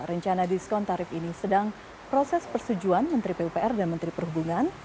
rencana diskon tarif ini sedang proses persetujuan menteri pupr dan menteri perhubungan